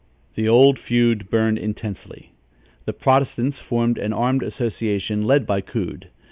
The old feud burned intensely. The Protestants formed an armed association led by Coode.